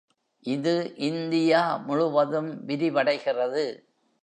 இது இந்தியா முழுவதும் விரிவடைகிறது.